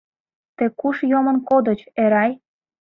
Тый куш йомын кодыч, Эрай?